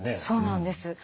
そうなんです。